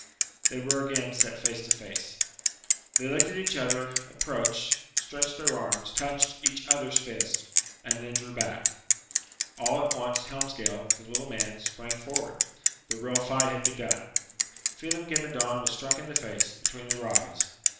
They were again set face to face. They looked at each other, approached, stretched their arms, touched each other's fists, and then drew back. All at once, Helmsgail, the little man, sprang forward. The real fight had begun. Phelem ghe Madone was struck in the face, between the Ryes.